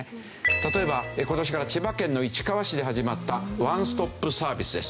例えば今年から千葉県の市川市で始まったワンストップサービスです。